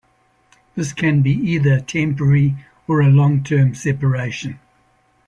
This can be either a temporary or a long-term separation.